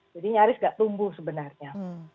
jadi nyaris gak tumbuh sebenarnya